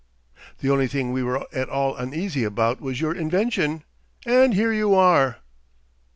The only thing we were at all uneasy about was your invention. And here you are!"